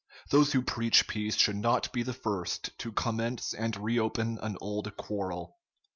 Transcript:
Those who preach peace should not be the first to commence and reopen an old quarrel."